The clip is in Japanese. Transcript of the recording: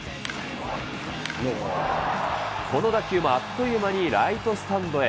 この打球もあっという間にライトスタンドへ。